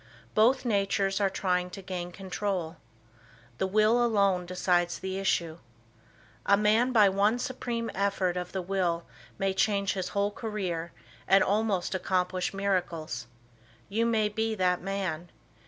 Both natures are trying to gain control. The will alone decides the issue. A man by one supreme effort of the will may change his whole career and almost accomplish miracles. You may be that man.